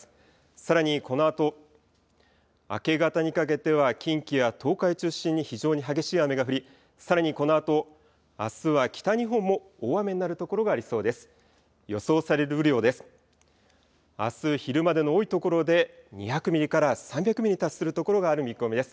さらにこのあと、明け方にかけては近畿や東海を中心に非常に激しい雨が降り、さらにこのあとあすは北日本も大雨になる所がありそうです。